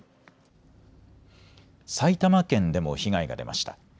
埼玉県でも被害が出ました。